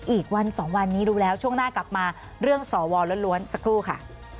อีกวันสองวันนี้ดูแล้วช่วงหน้ากลับมาเรื่องสวล้วนสักครู่ค่ะ